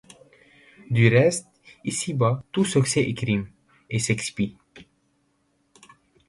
Du reste, ici-bas tout succès est crime, et s’expie.